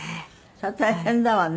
それは大変だわね